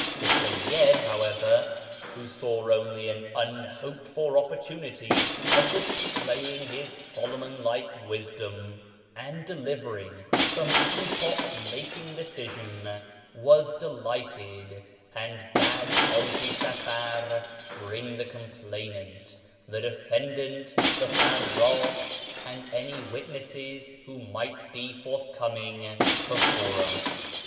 The Seyyid, however, who saw only an unhoped for opportunity of display AMONGST THE KALANDARS 509 ing his Solomon like wisdom and delivering some epoch making decision, was delighted, and bade Haji Safar bring the complainant, the defendant, the farrdsli, and any witnesses who might be forthcoming, before ns.